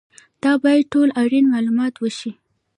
دا باید ټول اړین معلومات وښيي.